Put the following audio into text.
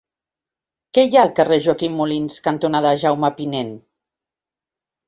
Què hi ha al carrer Joaquim Molins cantonada Jaume Pinent?